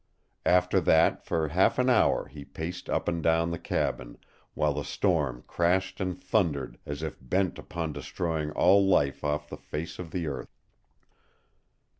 After that for half an hour he paced up and down the cabin, while the storm crashed and thundered as if bent upon destroying all life off the face of the earth.